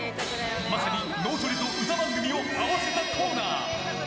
まさに脳トレと歌番組を合わせたコーナー。